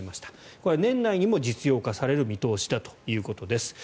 これは年内にも実用化される見通しだということです。